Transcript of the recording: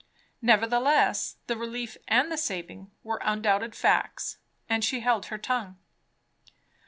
Nevertheless, the relief, and the saving, were undoubted facts; and she held her tongue.